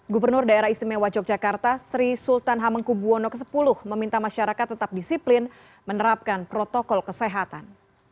gubernur daerah istimewa yogyakarta sri sultan hamengkubwono x meminta masyarakat tetap disiplin menerapkan protokol kesehatan